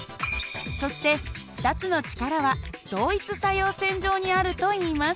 そして２つの力は同一作用線上にあるといいます。